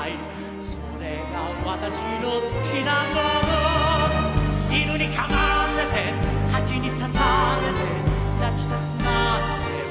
「それが私の好きなもの」「犬にかまれて」「ハチに刺されて」「泣きたくなっても」